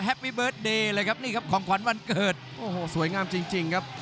ปี้เบิร์ตเดย์เลยครับนี่ครับของขวัญวันเกิดโอ้โหสวยงามจริงครับ